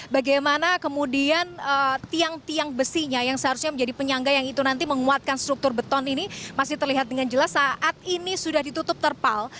bagaimana kemudian tiang tiang besinya yang seharusnya menjadi penyangga yang itu nanti menguatkan struktur beton ini masih terlihat dengan jelas saat ini sudah ditutup terpal